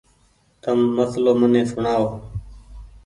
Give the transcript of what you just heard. تم مسلو مني سوڻآئو۔